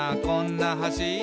こんな橋」